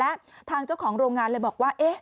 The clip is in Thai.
และทางเจ้าของโรงงานเลยบอกว่า